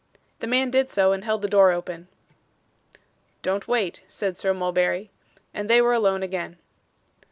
The man did so, and held the door open. 'Don't wait,' said Sir Mulberry; and they were alone again.